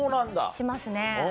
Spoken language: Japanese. しますね。